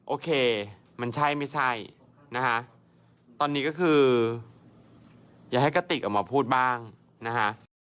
โอเคมันใช่ไม่ใช่นะคะตอนนี้ก็คืออยากให้กระติกออกมาพูดบ้างนะฮะ